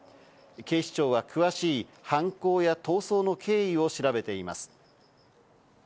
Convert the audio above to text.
警視庁は詳しい犯行や逃走の経緯を調べています。